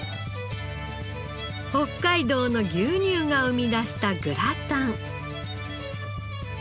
北海道の牛乳が生み出したグラタン。